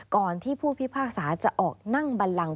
ก่อนที่ผู้พิพากษาจะออกนั่งบันลัง